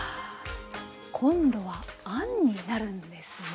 今度はあんになるんですね